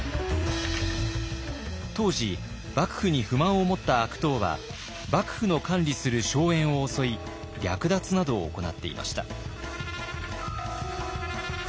当時幕府に不満を持った悪党は幕府の管理する荘園を襲い略奪などを行っていました。